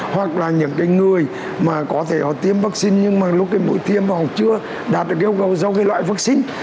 hoặc là những cái người mà có thể họ tiêm vaccine nhưng mà lúc cái mũi tiêm họ chưa đạt được yêu cầu do cái loại vaccine